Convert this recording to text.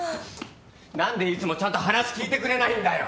何でいつもちゃんと話聞いてくれないんだよ！？